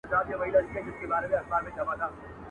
لوټه ايږدي پښه پر ايږدي.